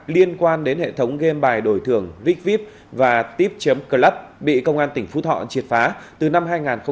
liên quan đến hệ thống game bài đổi thường vipvip và tip club bị công an tỉnh phú thọ triệt phá từ năm hai nghìn một mươi bảy